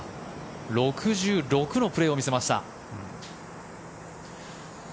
６６のプレーを見せました。